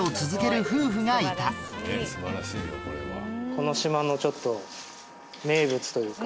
この島のちょっと名物というか。